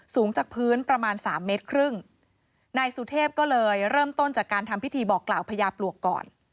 สูงจากพื้นประมาณสามเมตรครึ่งนายสุเทพก็เลยเริ่มต้นจากการทำพิธีบอกกล่าวพญาปลวกก่อน